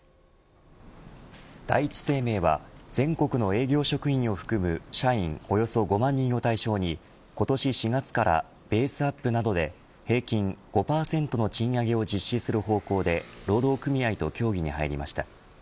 第一生命は全国の営業職員を含む社員およそ５万人を対象に今年４月からベースアップなどで平均５％の賃上げを実施する方向で労働組合と協議に入りました。